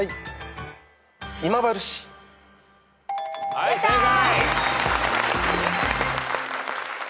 はい正解。